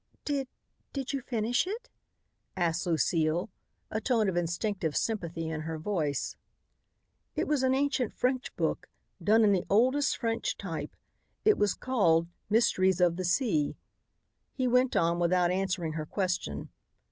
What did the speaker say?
"Did did you finish it?" asked Lucile, a tone of instinctive sympathy in her voice. "It was an ancient French book, done in the oldest French type. It was called 'Mysteries of the Sea,'" he went on without answering her question.